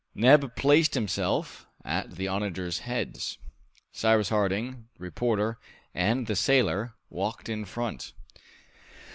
Neb placed himself at the onagers' heads. Cyrus Harding, the reporter, and the sailor, walked in front.